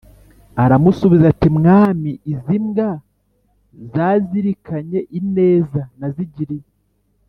aramusubiza ati: "mwami, izi mbwa zazirikanye ineza nazigiriye